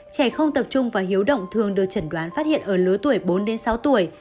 trẻ không tập trung và hiếu động thường được chẩn đoán phát hiện ở lứa tuổi bốn sáu tuổi